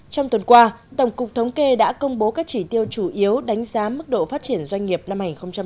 trong tuần qua tổng cục thống kê đã công bố các chỉ tiêu chủ yếu đánh giá mức độ phát triển doanh nghiệp năm hai nghìn hai mươi